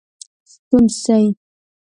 ستون سي.